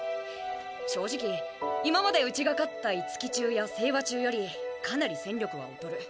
正直今までうちが勝った五木中や清和中よりかなり戦力は劣る。